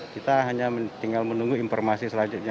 kita hanya tinggal menunggu informasi selanjutnya